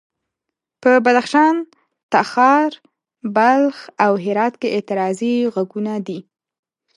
په بدخشان، تخار، بلخ او هرات کې اعتراضي غږونه دي.